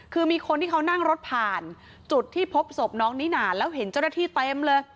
คือมีคนที่เขานั่งรถผ่านจุดที่พบศพน้องนิน่าแล้วเห็นเจ้าหน้าที่เต็มเลย